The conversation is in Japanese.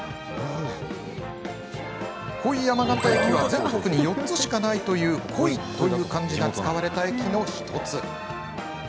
恋山形駅は全国に４つしかないという恋という漢字が使われた駅の１つ。